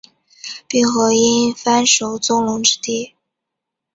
并河因幡守宗隆之弟。